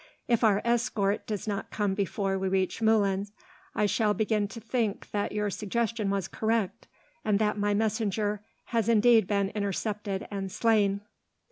If our escort does not come before we reach Moulins, I shall begin to think that your suggestion was correct, and that my messenger has indeed been intercepted and slain."